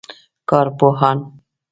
کارپوهان